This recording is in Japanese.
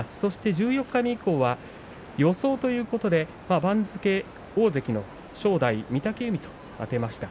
十四日目以降は予想ということで番付大関の正代、御嶽海とあてました。